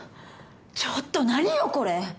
ちょっと何よ、これ。